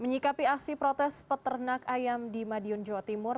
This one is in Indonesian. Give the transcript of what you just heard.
menyikapi aksi protes peternak ayam di madiun jawa timur